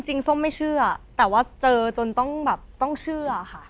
จริงส้มไม่เชื่อแต่ว่าเจอจนต้องเชื่อค่ะ